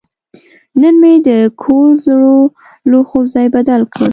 نن مې د کور زړو لوښو ځای بدل کړ.